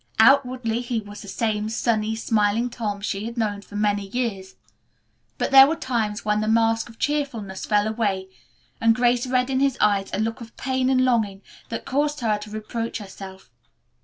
Outwardly he was the same sunny, smiling Tom she had known for so many years, but there were times when the mask of cheerfulness fell away and Grace read in his eyes a look of pain and longing that caused her to reproach herself.